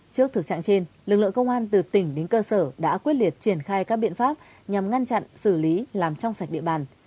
trước thực trạng trên lực lượng công an từ tỉnh đến cơ sở đã quyết liệt triển khai các biện pháp nhằm ngăn chặn xử lý làm trong sạch địa bàn